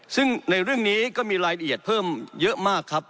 ซึ่งในเรื่องนี้ก็มีรายละเอียดเพิ่มเยอะมากครับ